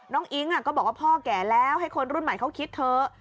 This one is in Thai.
อิ๊งก็บอกว่าพ่อแก่แล้วให้คนรุ่นใหม่เขาคิดเถอะ